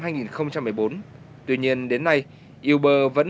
tuy nhiên đến nay uber vẫn vấp phải rất nhiều khách hàng